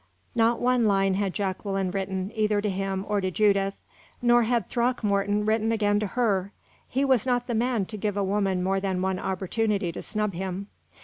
Not one line had Jacqueline written, either to him or to Judith. Nor had Throckmorton written again to her. He was not the man to give a woman more than one opportunity to snub him.